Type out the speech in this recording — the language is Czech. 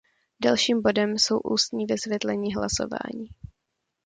Dalším bodem jsou ústní vysvětlení hlasování.